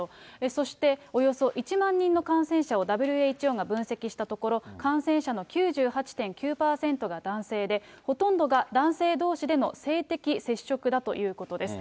そして、およそ１万人の感染者をＷＨＯが分析したところ、感染者の９８．９％が男性で、ほとんどが男性どうしでの性的接触だということです。